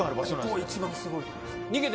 ここ一番すごいと思います。